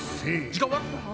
時間は？